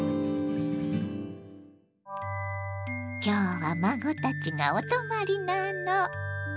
今日は孫たちがお泊まりなの。